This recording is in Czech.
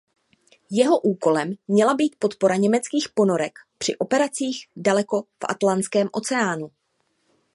Jeho úkolem měla být podpora německých ponorek při operacích daleko v Atlantském oceánu.